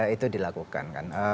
itu dilakukan kan